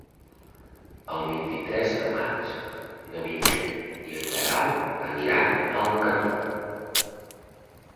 El vint-i-tres de maig na Vinyet i en Guerau aniran a Alcanó.